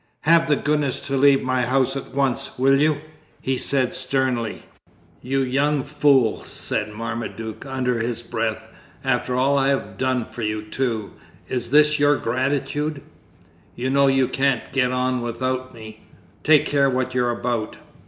"Have the goodness to leave my house at once, will you!" he said sternly. "You young fool!" said Marmaduke, under his breath, "after all I have done for you, too! Is this your gratitude? You know you can't get on without me. Take care what you're about!"